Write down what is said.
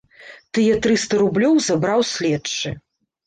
Тыя трыста рублёў забраў следчы.